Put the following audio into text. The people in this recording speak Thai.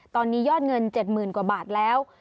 ตอนนี้ยอดเงิน๗๐๐๐กว่าบาทแล้ว